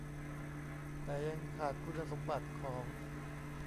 แต่ยังขาดคุณสมบัติของ